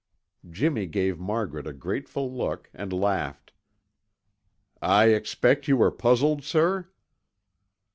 Jimmy gave Margaret a grateful look and laughed. "I expect you were puzzled, sir?"